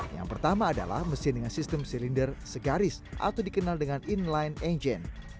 yang pertama adalah mesin dengan sistem silinder segaris atau dikenal dengan inline engine